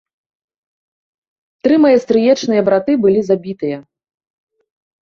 Тры мае стрыечныя браты былі забітыя.